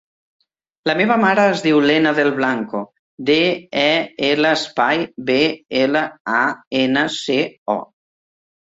La meva mare es diu Lena Del Blanco: de, e, ela, espai, be, ela, a, ena, ce, o.